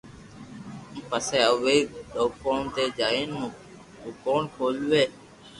پسو اووي دوڪون تو جائين دوڪون کولوي